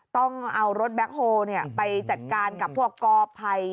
ต้องเอารถแบ็คโฮลไปจัดการกับพวกกอภัย